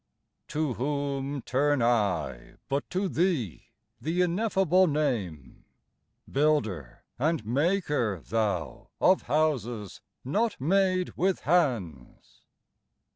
"To whom turn I but to Thee, the ineffable Name ? Builder and maker. Thou, of houses not made with hands